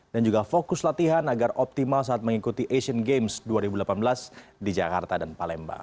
dan juga fokus latihan agar optimal saat mengikuti asian games dua ribu delapan belas di jakarta dan palembang